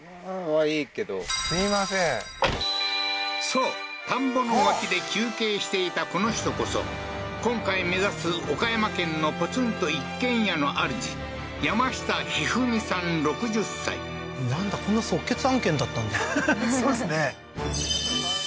そう田んぼの脇で休憩していたこの人こそ今回目指す岡山県のポツンと一軒家のあるじなんだこんな即決案件だったんだはははっ